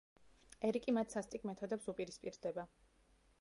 ერიკი მათ სასტიკ მეთოდებს უპირისპირდება.